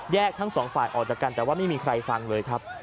ทั้งสองฝ่ายออกจากกันแต่ว่าไม่มีใครฟังเลยครับ